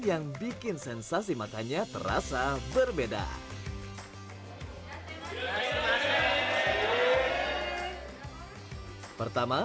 yang bikin sensasi makannya terasa berbeda pertama